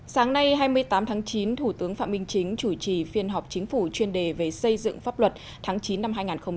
sáng nay hai mươi tám tháng chín thủ tướng phạm minh chính chủ trì phiên họp chính phủ chuyên đề về xây dựng pháp luật tháng chín năm hai nghìn hai mươi